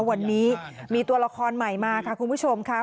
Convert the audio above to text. วันนี้มีตัวละครใหม่มาค่ะคุณผู้ชมค่ะ